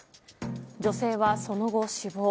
女性はその後、死亡。